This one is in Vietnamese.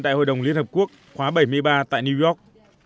đại hội đồng liên hợp quốc khóa bảy mươi ba tại new york